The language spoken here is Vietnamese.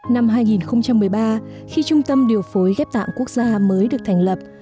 năm hai nghìn một mươi ba khi trung tâm điều phối ghép tạng quốc gia mới được thành lập